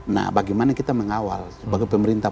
nah bagaimana kita mengawal sebagai pemerintah